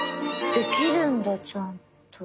できるんだちゃんと。